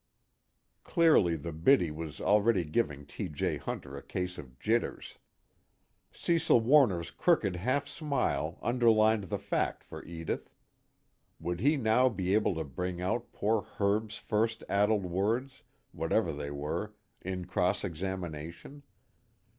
Clearly the biddy was already giving T. J. Hunter a case of jitters. Cecil Warner's crooked half smile underlined the fact for Edith. Would he now be able to bring out poor Herb's first addled words, whatever they were, in cross examination?